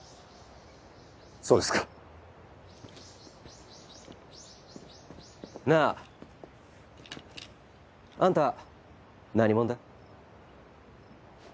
そうですか。なぁ。あんた何者だ？